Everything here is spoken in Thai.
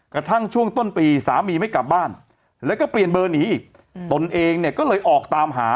กระทั่งช่วงต้นปีสามีไม่กลับบ้านแล้วก็เปลี่ยนเบอร์หนีอีกตนเองเนี่ยก็เลยออกตามหา